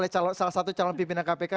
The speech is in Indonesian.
salah satu calon pimpinan kpk